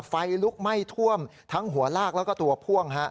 ไฟลุกไหม้ท่วมทั้งหัวลากแล้วก็ตัวพ่วง